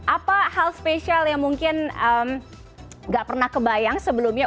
apa hal spesial yang mungkin gak pernah kebayang sebelumnya